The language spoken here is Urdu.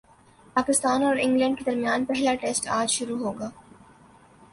پاکستان اور انگلینڈ کے درمیان پہلا ٹیسٹ اج شروع ہوگا